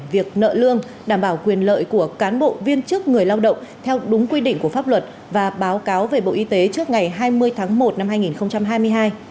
việc nợ lương đảm bảo quyền lợi của cán bộ viên chức người lao động theo đúng quy định của pháp luật và báo cáo về bộ y tế trước ngày hai mươi tháng một năm hai nghìn hai mươi hai